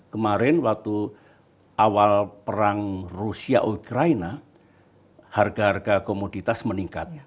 kemarin waktu awal perang rusia ukraina harga harga komoditas meningkat